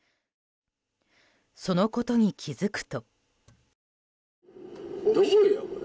そのことに気づくと。